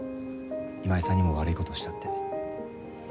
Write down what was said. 今井さんにも悪い事をしたって。